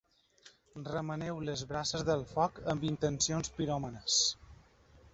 Remeneu les brases del foc amb intencions piròmanes.